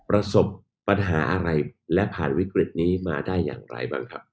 ประสบปัญหาอะไรและผ่านวิกฤตนี้มาได้อย่างไรบ้างครับ